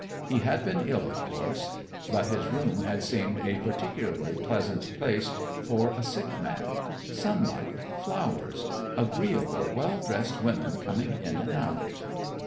He had been ill, of course, but his room had seemed a particularly pleasant place for a sick man; sunlight, flowers, agreeable, well dressed women coming in and out.